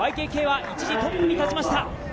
ＹＫＫは一時、トップに立ちました。